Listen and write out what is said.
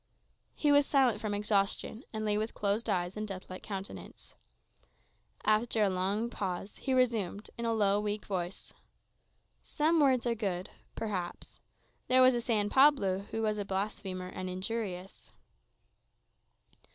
He was silent from exhaustion, and lay with closed eyes and deathlike countenance. After a long pause, he resumed, in a low, weak voice, "Some words are good perhaps. There was San Pablo, who was a blasphemer, and injurious."